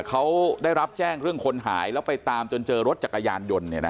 เขาได้รับแจ้งเรื่องคนหายแล้วไปตามจนเจอรถจักรยานยนต์